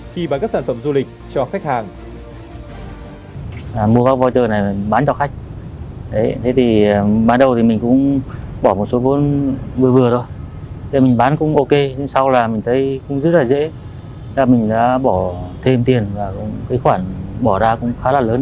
khi bán các sản phẩm du lịch cho khách hàng